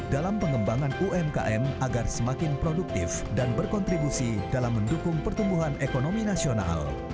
dalam pengembangan umkm agar semakin produktif dan berkontribusi dalam mendukung pertumbuhan ekonomi nasional